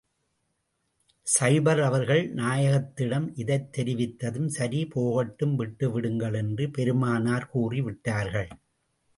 ஸுபைர் அவர்கள் நாயகத்திடம் இதைத் தெரிவித்ததும், சரி போகட்டும் விட்டு விடுங்கள் என்று பெருமானார் கூறி விட்டார்கள்.